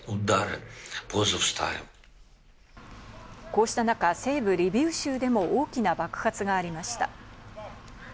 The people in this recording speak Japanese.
こうした中、西部リビウ州でも大きな爆発がありました。